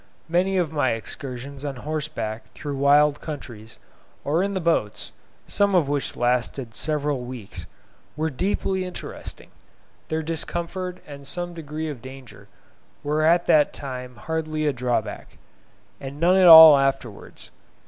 Many of my excursions on horseback through wild countries, or in the boats, some of which lasted several weeks, were deeply interesting: their discomfort and some degree of danger were at that time hardly a drawback, and none at all afterwards.